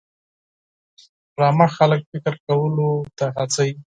ډرامه خلک فکر کولو ته هڅوي